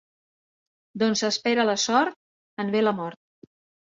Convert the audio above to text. D'on s'espera la sort en ve la mort.